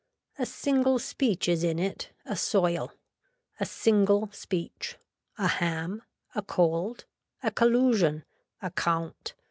A single speech is in it, a soil. A single speech. A ham. A cold. A collusion. A count.